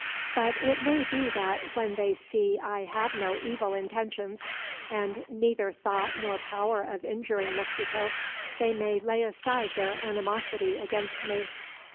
"But it may be that, when they see I have no evil intentions, and neither thought nor power of injuring Mexico, they may lay aside their animosity against me."